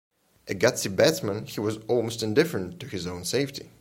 A gutsy batsman he was almost indifferent to his own safety.